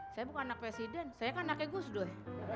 saya bukan anak presiden saya kan anaknya gus dur